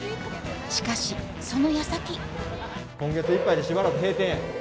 しかしそのやさき今月いっぱいでしばらく閉店や。